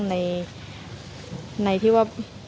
ในที่ว่า